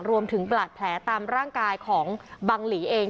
รวมถึงบาดแผลตามร่างกายของบังหลีเอง